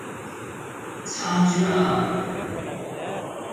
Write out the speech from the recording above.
撐住呀